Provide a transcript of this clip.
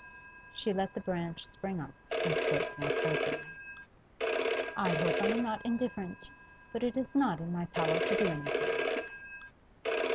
She let the branch spring up, and spoke more coldly. 'I hope I am not indifferent; but it is not in my power to do anything.